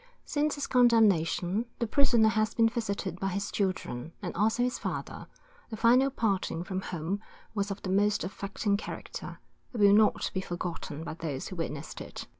Since his condemnation, the prisoner has been visited by his children, and also his father, the final parting from whom was of the most affecting character, and will not be forgotten by those who witnessed it.